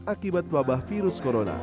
akibat wabah virus corona